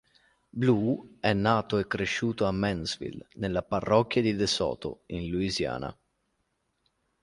Blue è nato e cresciuto a Mansfield nella parrocchia di De Soto in Louisiana.